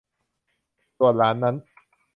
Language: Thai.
ส่วนหลานนั้น